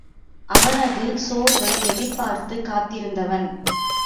அவனது சோர்வை எதிர்பார்த்துக் காத்திருந்தவன்.